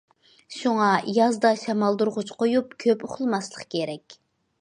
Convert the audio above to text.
شۇڭا يازدا شامالدۇرغۇچ قويۇپ كۆپ ئۇخلىماسلىق كېرەك.